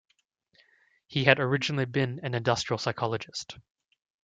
He had originally been an industrial psychologist.